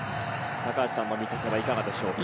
高橋さんの見立てはいかがでしょうか。